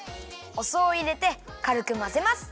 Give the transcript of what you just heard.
お酢をいれてかるくまぜます。